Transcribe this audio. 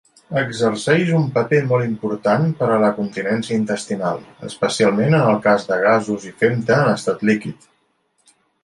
Exerceix un paper molt important per a la continència intestinal, especialment en el cas de gasos i de femta en estat líquid.